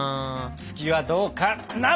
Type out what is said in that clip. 「月」はどうかな！